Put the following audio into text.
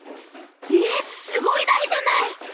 ええっすごいだいじゃない！